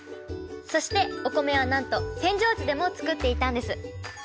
そしてお米はなんと扇状地でも作っていたんです。